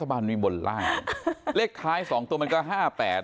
ก็ใจตึ๊บเลยก็ยัดออกมาดูอุ๊ยใช่จริงด้วย